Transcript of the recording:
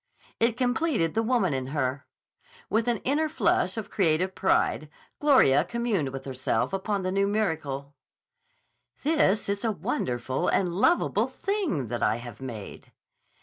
It completed the woman in her. With an inner flush of creative pride Gloria communed with herself upon the new miracle: "This is a wonderful and lovable thing that I have made."